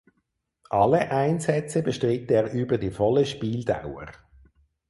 Alle Einsätze bestritt er über die volle Spieldauer.